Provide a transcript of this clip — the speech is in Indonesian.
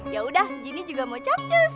yaudah jin juga mau capcus